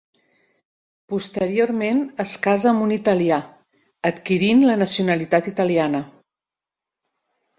Posteriorment es casa amb un italià, adquirint la nacionalitat italiana.